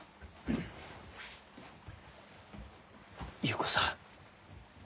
優子さん